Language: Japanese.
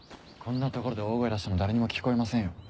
こんな所で大声出しても誰にも聞こえませんよ。